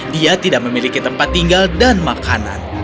dia tidak memiliki tempat tinggal dan makanan